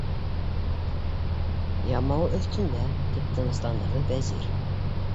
Ямауы өҫтөндә, - тип тынысландырҙы Вәзир.